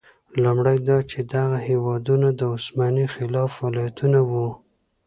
لومړی دا چې دغه هېوادونه د عثماني خلافت ولایتونه وو.